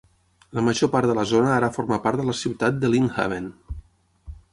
La major part de la zona ara forma part de la ciutat de Lynn Haven.